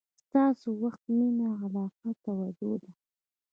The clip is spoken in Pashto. ستاسو وخت، مینه، علاقه او توجه ده.